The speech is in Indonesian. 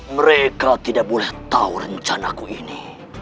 mereka tidak boleh tahu rencanaku ini